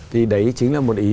thì đấy chính là một ý